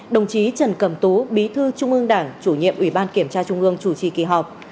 đồng chí trần cẩm tú bí thư trung ương đảng chủ nhiệm ủy ban kiểm tra trung ương chủ trì kỳ họp